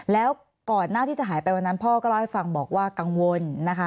แล้วก่อนหน้าที่จะหายไปวันนั้นพ่อก็เล่าให้ฟังบอกว่ากังวลนะคะ